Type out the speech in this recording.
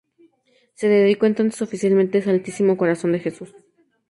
Se dedicó entonces oficialmente al Santísimo corazón de Jesús.